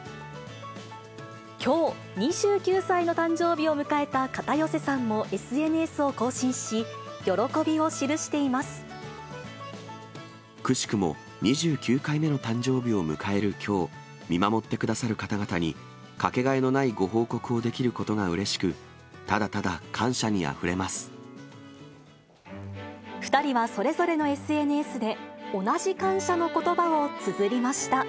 きょう、２９歳の誕生日を迎えた片寄さんもＳＮＳを更新し、くしくも２９回目の誕生日を迎えるきょう、見守ってくださる方々に掛けがえのないご報告をできることがうれ２人はそれぞれのＳＮＳで同じ感謝のことばをつづりました。